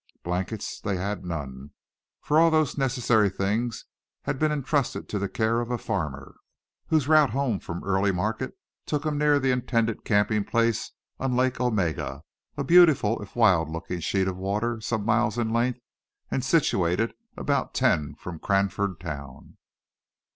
Blankets they had none, for all those necessary things had been entrusted to the care of a farmer, whose route home from early market took him near the intended camping place on Lake Omega; a beautiful, if wild looking sheet of water some miles in length, and situated about ten from Cranford town.